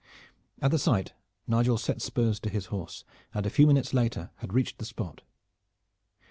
At the sight Nigel set spurs to his horse, and a few minutes later had reached the spot.